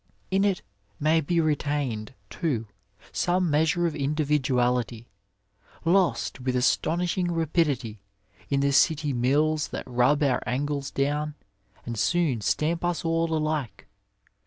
In it may be retained, too, some measure of individuality, lost with astonishing rapidity in the city miUs that rub our angles down and soon stamp us all alike.